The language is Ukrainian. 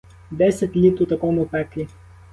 Десять літ у такому пеклі!